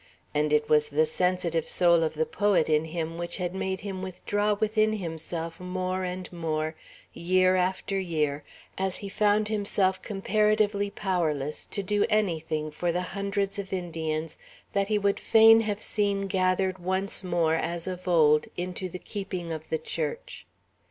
And it was the sensitive soul of the poet in him which had made him withdraw within himself more and more, year after year, as he found himself comparatively powerless to do anything for the hundreds of Indians that he would fain have seen gathered once more, as of old, into the keeping of the Church.